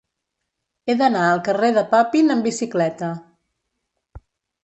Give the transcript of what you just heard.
He d'anar al carrer de Papin amb bicicleta.